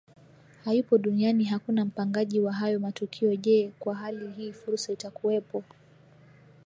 hayupo duniani hakuna mpangaji wa hayo matukio Je kwa hali hii Fursa itakuwepo